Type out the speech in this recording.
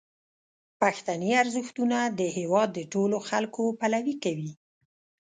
پښتني ارزښتونه د هیواد د ټولو خلکو پلوي کوي.